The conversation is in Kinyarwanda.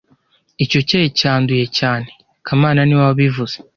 Icyo cyayi cyanduye cyane kamana niwe wabivuze